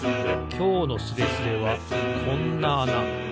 きょうのスレスレはこんなあな。